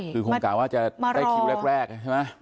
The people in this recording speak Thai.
คือคงกะว่าจะได้คิวแรกใช่ไหม